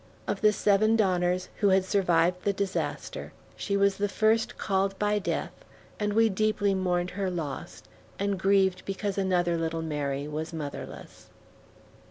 Of the seven Donners who had survived the disaster, she was the first called by death, and we deeply mourned her loss, and grieved because another little Mary was motherless.